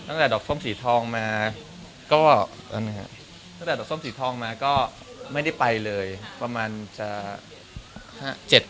งานที่จะต้องไปช่วยเหลืองานตนะงานนี้ด้วยครับก็คือไม่ได้เป็นสินค้าอย่างเดียว